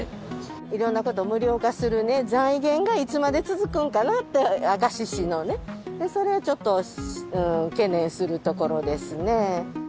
いろんなこと無料化するね、財源がいつまで続くんかなって、明石市のね、それはちょっと懸念するところですね。